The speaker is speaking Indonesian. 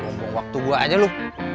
ngomong waktu gua aja lu